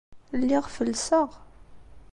Lliɣ fellseɣ.